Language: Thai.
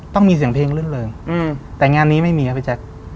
ต้องมีเสียงเพลงลื่นเริงแต่งานนี้ไม่มีครับพี่แจ๊ค